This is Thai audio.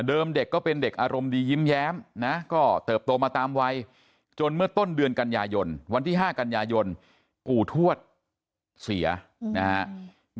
เด็กก็เป็นเด็กอารมณ์ดียิ้มแย้มนะก็เติบโตมาตามวัยจนเมื่อต้นเดือนกันยายนวันที่๕กันยายนปู่ทวดเสียนะครับ